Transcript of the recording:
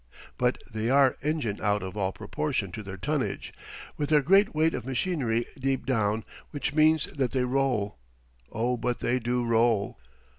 But they are engined out of all proportion to their tonnage, with their great weight of machinery deep down; which means that they roll. Oh, but they do roll!